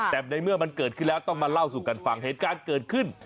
แต่ในเมื่อมันเกิดขึ้นแล้วต้องมาเล่าสู่กันฟังเหตุการณ์เกิดขึ้น